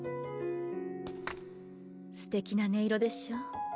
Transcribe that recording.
すてきな音色でしょう？